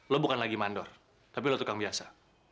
lo bukan lagi mandor tapi lo tukang biasa